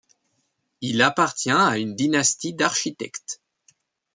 Il appartient à une dynastie d'architectes.